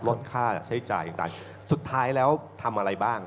ก็แค่ใช้จ่ายต่างสุดท้ายแล้วทำอะไรบ้าง